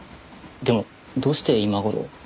でもどうして今頃？